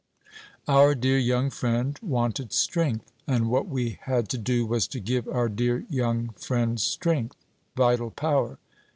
"Our dear young friend wanted strength; and what we had to do was to give our dear young friend strength vital power.